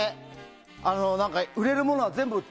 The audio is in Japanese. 売れるものは全部売って。